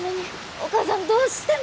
お母さんどうしても。